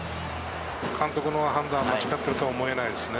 監督の判断は間違ってるとは思えないですね。